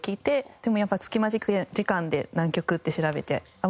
でもやっぱ隙間時間で「南極」って調べてあっ